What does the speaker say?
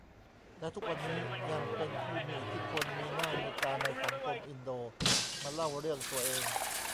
และทุกวันนี้ยังเป็นผู้มีอิทธิพลมีหน้ามีตาในสังคมอินโด มาเล่าเรื่องตัวเอง